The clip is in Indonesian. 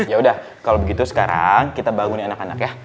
yaudah kalau begitu sekarang kita bangunin anak anak ya